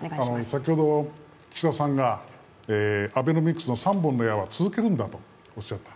先ほど岸田さんがアベノミクスの三本の矢は続けるんだとおっしゃった。